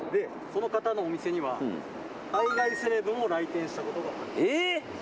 その方のお店には海外セレブも来店したことがある。